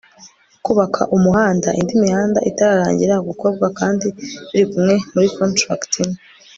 kubaka umuhanda indi mihanda itararangira gukorwa kandi birikumwe muri contract imwe